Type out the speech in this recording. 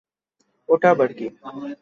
ওটা আবার কি?